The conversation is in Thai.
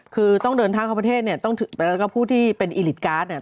คือต้องเดินทางเข้าประเทศเนี่ยต้องแล้วก็ผู้ที่เป็นอิลิตการ์ดเนี่ย